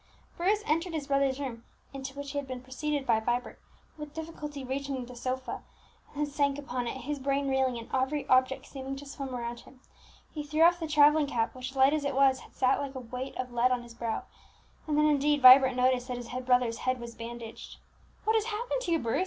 Bruce entered his brother's room, into which he had been preceded by Vibert, with difficulty reached the sofa, and then sank upon it, his brain reeling, and every object seeming to swim around him. He threw off the travelling cap which, light as it was, had sat like a weight of lead on his brow; and then, indeed, Vibert noticed that his brother's head was bandaged. "What has happened to you, Bruce?"